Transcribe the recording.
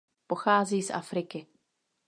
Pochází z Afriky.